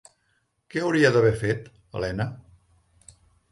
Què hauria d'haver fet, Elena?